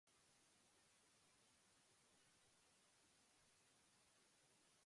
Paraphrase the given sentences so it has similar meaning.